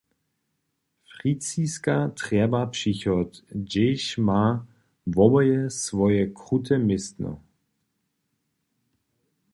Friziska trjeba přichod, hdźež ma woboje swoje krute městno.